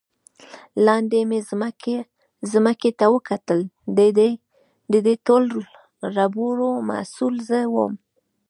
لاندې مې ځمکې ته وکتل، د دې ټولو ربړو مسؤل زه ووم.